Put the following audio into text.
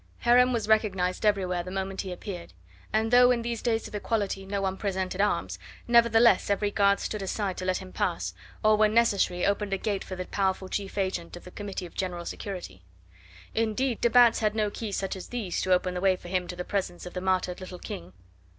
Heron was recognised everywhere the moment he appeared, and though in these days of equality no one presented arms, nevertheless every guard stood aside to let him pass, or when necessary opened a gate for the powerful chief agent of the Committee of General Security. Indeed, de Batz had no keys such as these to open the way for him to the presence of the martyred little King.